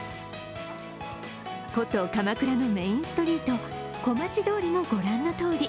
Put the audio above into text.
古都・鎌倉のメインストリート、小町通りも御覧のとおり。